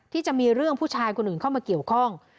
ที่มีเรื่องผู้ชายคนอื่นเข้ามาเกี่ยวข้อง